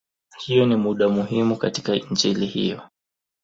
Hiyo ni mada muhimu katika Injili hiyo.